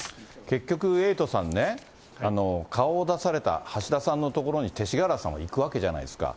結局、エイトさんね、顔を出された橋田さんのところに、勅使河原さんも行くわけじゃないですか。